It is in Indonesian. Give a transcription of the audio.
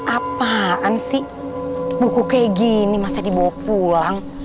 apaan sih buku kayak gini masa dibawa pulang